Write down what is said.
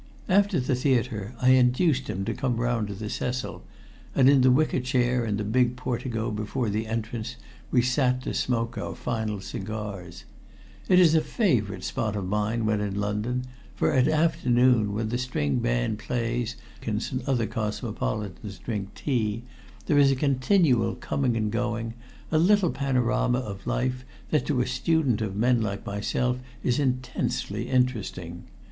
After the theater I induced him to come round to the Cecil, and in the wicker chair in the big portico before the entrance we sat to smoke our final cigars. It is a favorite spot of mine when in London, for at afternoon, when the string band plays and the Americans and other cosmopolitans drink tea, there is a continual coming and going, a little panorama of life that to a student of men like myself is intensely interesting.